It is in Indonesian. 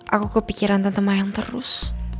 aku kepikiran tante mayang terus